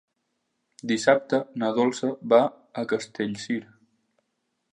Dissabte na Dolça va a Castellcir.